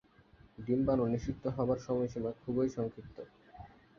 ডিম্বাণু নিষিক্ত হবার সময়সীমা খুবই সংক্ষিপ্ত।